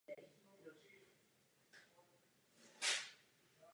Zamrzá v listopadu a rozmrzá na konci května až na začátku června.